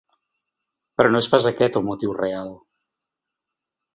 Però no és pas aquest el motiu real.